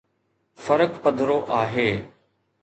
فرق پڌرو آهي.